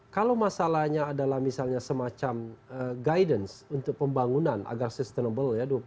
kalau masalahnya adalah misalnya semacam guidance untuk pembangunan agar sustainable ya